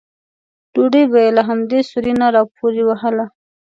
ډوډۍ به یې له همدې سوري نه راپورې وهله.